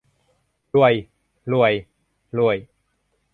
รวย รวย รวย